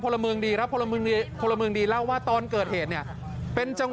แผลที่เห็นเนี่ยแค่เธอเผลอไปเดินชนเสาสาธาริมทางก็เท่านั้นเอง